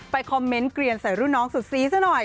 คอมเมนต์เกลียนใส่รุ่นน้องสุดซีซะหน่อย